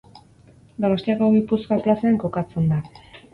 Donostiako Gipuzkoa plazan kokatzen da.